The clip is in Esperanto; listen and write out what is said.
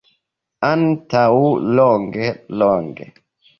Antaŭ longe, longe.